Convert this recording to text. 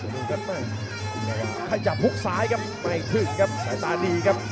ทุกท่านบ้านให้จับฮุกซ้ายครับไม่ถึงครับสายตาดีครับ